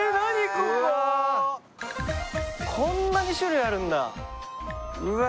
こここんなに種類あるんだうわ